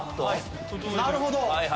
なるほど。